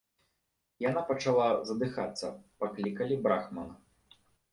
Яна пачала задыхацца, паклікалі брахмана.